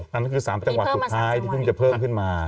นั่นคือ๓จังหวัดสุดท้ายที่เพิ่งจะเพิ่มขึ้นมา